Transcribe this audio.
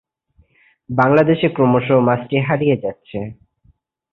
বাংলাদেশে ক্রমশ মাছটি হারিয়ে যাচ্ছে।